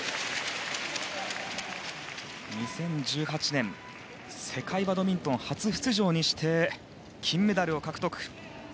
２０１８年世界バドミントン初出場にして金メダルを獲得。